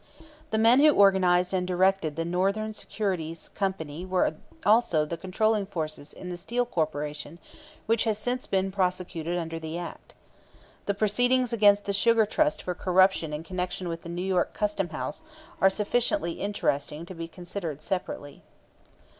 The men who organized and directed the Northern Securities Company were also the controlling forces in the Steel Corporation, which has since been prosecuted under the act. The proceedings against the Sugar Trust for corruption in connection with the New York Custom House are sufficiently interesting to be considered separately.